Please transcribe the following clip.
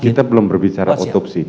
kita belum berbicara otopsi